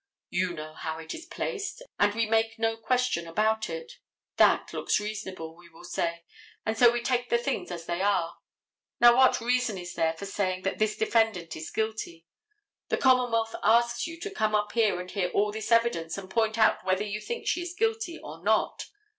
You know how it is placed and we make no question about it. That looks reasonable, we will say, and so we take the things as they are. Now, what reason is there for saying that this defendant is guilty? The commonwealth asks you to come up here and hear all this evidence and point out whether you think she is guilty or not.